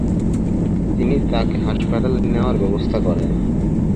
তিনি তাঁকে হাসপাতালে নেওয়ার ব্যবস্থা করেন।